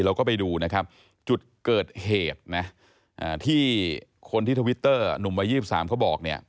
เราก็ไปดูนะครับจุดเกิดเหตุนะที่คนที่ทวิตเตอร์หนุ่มวัย๒๓เขาบอกเนี่ย